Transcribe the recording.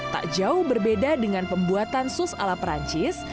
tak jauh berbeda dengan pembuatan sus ala perancis